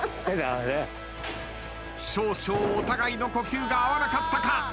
少々お互いの呼吸が合わなかったか。